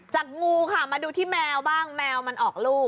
งูค่ะมาดูที่แมวบ้างแมวมันออกลูก